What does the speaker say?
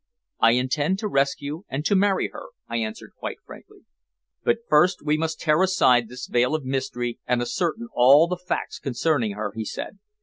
"I intend to rescue, and to marry her," I answered quite frankly. "But first we must tear aside this veil of mystery and ascertain all the facts concerning her," he said.